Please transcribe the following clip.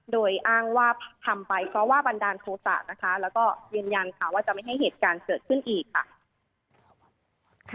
โดยอ้างว่าทำไปเพราะว่าบันดาลโทษะนะคะแล้วก็ยืนยันค่ะว่าจะไม่ให้เหตุการณ์เกิดขึ้นอีกค่ะ